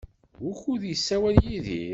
Wukud yessawal Yidir?